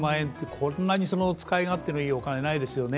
こんなに使い勝手のいいお金、ないですよね。